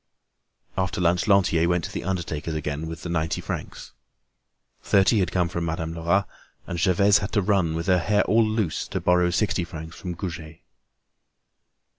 After lunch Lantier went to the undertaker's again with the ninety francs. Thirty had come from Madame Lerat and Gervaise had run, with her hair all loose, to borrow sixty francs from Goujet.